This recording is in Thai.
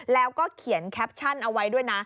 แล้วก็เขียนแคปชั่นเอาไว้ด้วยนะ